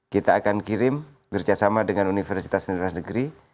kita akan kirim kerjasama dengan universitas negeri